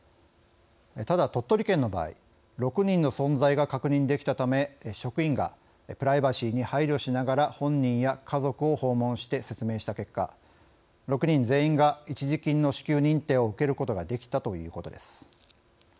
ただ、鳥取県の場合６人の存在が確認できたため職員がプライバシーに配慮しながら本人や家族を訪問して説明した結果、６人全員が一時金の支給認定を受けることができたということです。